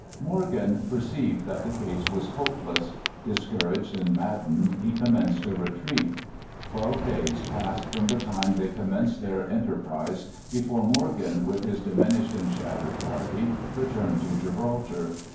Morgan perceived that the case was hopeless. Discouraged and maddened he commenced a retreat. Twelve days passed from the time they commenced their enterprise before Morgan, with his diminished and shattered party, returned to Gibraltar.